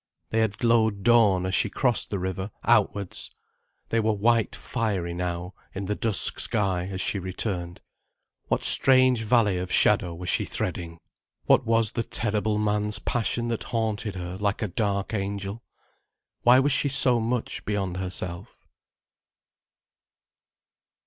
They had glowed dawn as she crossed the river outwards, they were white fiery now in the dusk sky as she returned. What strange valley of shadow was she threading? What was the terrible man's passion that haunted her like a dark angel? Why was she so much beyond herself?